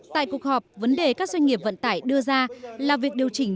tại cuộc họp vấn đề các doanh nghiệp vận tải đưa ra là việc điều chỉnh